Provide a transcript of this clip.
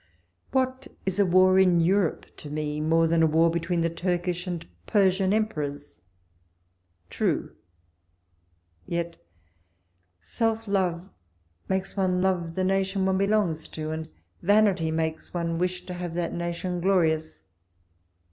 What is a war in Europe to me more than a war between the Turkish and Persian Emperors/ True ; yet self love makes one love the nation one belongs to, and vanity makes one wish to have that nation gloi'ious.